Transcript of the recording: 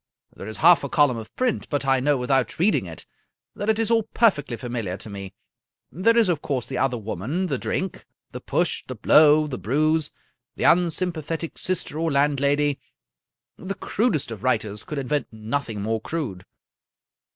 There is half a column of print, but I know without reading it that it is all perfectly familiar to me. There is, of course, the other woman, the drink, the push, the blow, the bruise, the unsympathetic sister or landlady. The crudest of writers could invent nothing more crude."